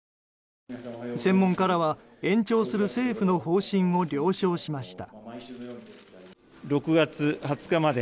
専門家らは延長する政府の方針を了承しました。